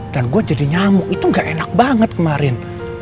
dan gue jadi nyamuk itu gak enak banget kemarin